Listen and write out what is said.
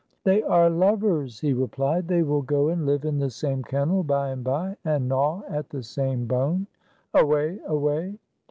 " They are lovers," he replied. " They will go and live in the same kennel by and by, and gnaw at the same bone. Away! Away!"